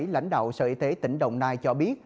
lãnh đạo sở y tế tỉnh đồng nai cho biết